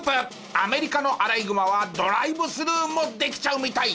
アメリカのアライグマはドライブスルーもできちゃうみたい！